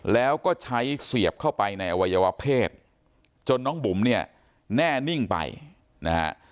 แล้วก็ใช้เสียบเข้าไปในอวัยวะเพศจนน้องบุ๋มเนี่ยแน่นิ่งไปนะฮะ